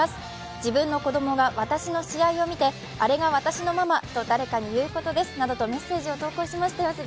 自分の子供が私の試合を見て「あれが私のママ」と誰かに言うことなどとメッセージを投稿しました。